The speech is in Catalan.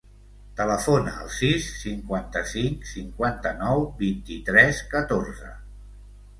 Telefona al sis, cinquanta-cinc, cinquanta-nou, vint-i-tres, catorze.